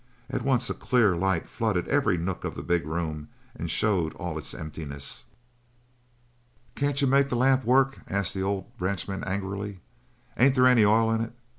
At once a clear light flooded every nook of the big room and showed all its emptiness. "Can't you make the lamp work?" asked the old ranchman angrily. "Ain't they any oil in it?